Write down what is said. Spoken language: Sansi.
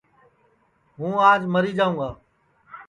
ہوں آج مری جاوں گا